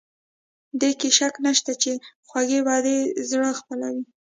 دې کې شک نشته چې خوږې وعدې زړه خپلوي.